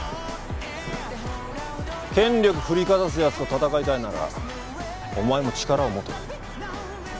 権力振りかざすやつと闘いたいならお前も力を持て。